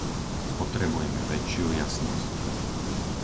Potrebujeme väčšiu jasnosť.